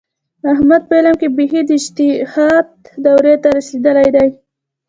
احمد په علم کې بیخي د اجتهاد دورې ته رسېدلی دی.